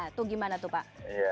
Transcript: itu gimana tuh pak